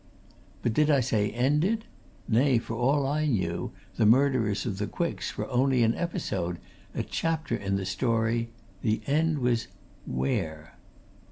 But did I say ended? nay, for all I knew the murderers of the Quicks were only an episode, a chapter in the story the end was where?